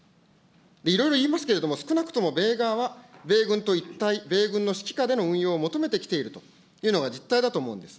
いろいろ言いますけれども、少なくとも米側は、米軍の指揮下での運用を求めてきているというのが実態だと思うんです。